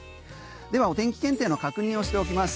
ではお天気検定の確認をしておきます